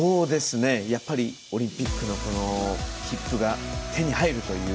やっぱり、オリンピックの切符が手に入るという。